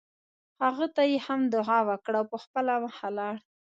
هغه ته یې هم دعا وکړه او په خپله مخه لاړ.